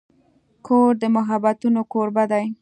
کور د محبتونو کوربه دی.